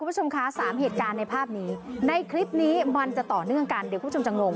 คุณผู้ชมคะสามเหตุการณ์ในภาพนี้ในคลิปนี้มันจะต่อเนื่องกันเดี๋ยวคุณผู้ชมจะงง